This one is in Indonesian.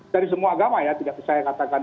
dari semua agama ya tidak saya katakan